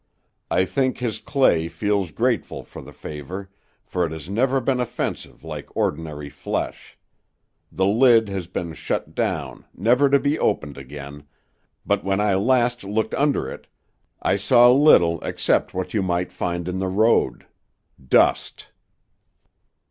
I think his clay feels grateful for the favor, for it has never been offensive like ordinary flesh. The lid has been shut down never to be opened again, but when I last looked under it, I saw little except what you might find in the road, dust."